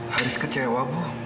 haris kecewa bu